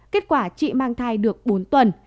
kết quả chị mang thai được bốn tuần